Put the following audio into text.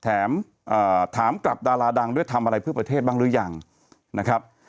แถมถามกลับดาราดังด้วยทำอะไรเพื่อประเทศบ้างหรือยังนะครับ